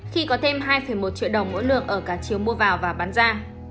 khi có thêm hai một triệu đồng mỗi lượng ở cả chiều mua vào và bán ra